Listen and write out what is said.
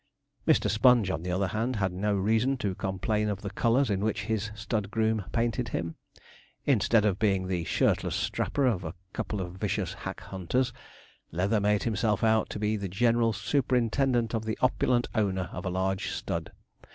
Mr. Sponge, on the other hand, had no reason to complain of the colours in which his stud groom painted him. Instead of being the shirtless strapper of a couple of vicious hack hunters, Leather made himself out to be the general superintendent of the opulent owner of a large stud.